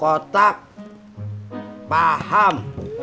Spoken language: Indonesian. sepuluh kotak paham